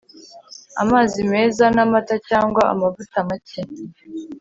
amazi mezza namata cyangwa amavuta make